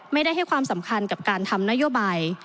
ให้ความสำคัญกับการทำนโยบาย